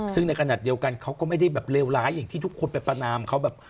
ซึ่งในขณะเดียวกันเขาก็ไม่ได้แบบเลวร้ายอย่างที่ทุกคนไปประนามเขาแบบ